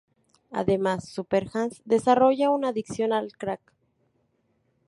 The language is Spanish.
Además, Super Hans desarrolla una adicción al crack.